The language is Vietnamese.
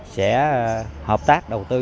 sẽ hợp tác đầu tư